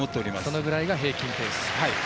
それぐらいが平均ペース。